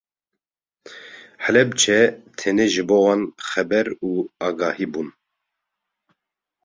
Helepçe tenê ji bo wan xeber û agahî bûn.